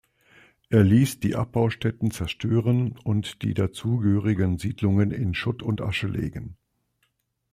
Er ließ die Abbaustätten zerstören und die dazugehörigen Siedlungen in Schutt und Asche legen.